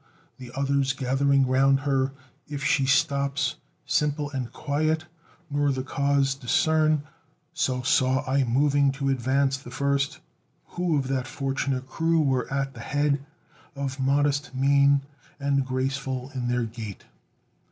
The others, gathering round her if she stops, Simple and quiet, nor the cause discern; So saw I moving to advance the first Who of that fortunate crew were at the head, Of modest mien, and graceful in their gait.